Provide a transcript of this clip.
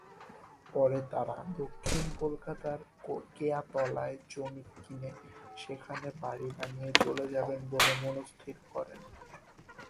পরে তারা দক্ষিণ কলকাতার কেয়াতলায় জমি কিনে সেখানে বাড়ি বানিয়ে চলে যাবেন বলে মনস্থির করেন।